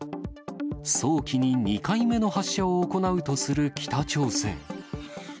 早期に２回目の発射を行うとする北朝鮮。